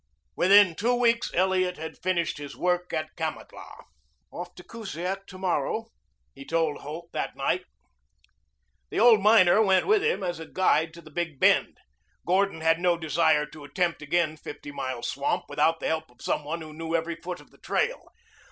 Within two weeks Elliot had finished his work at Kamatlah. "Off for Kusiak to morrow," he told Holt that night. The old miner went with him as a guide to the big bend. Gordon had no desire to attempt again Fifty Mile Swamp without the help of some one who knew every foot of the trail.